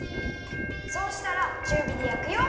そうしたらちゅうびでやくよ！